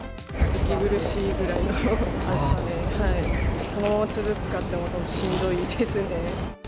息苦しいぐらいの暑さで、このまま続くかと思うと、しんどいですね。